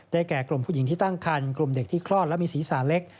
แก่กลุ่มผู้หญิงที่ตั้งคันกลุ่มเด็กที่คลอดและมีศีรษะเล็ก